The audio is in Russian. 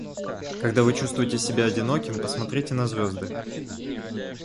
Когда вы чувствуете себя одиноким, посмотрите на звезды.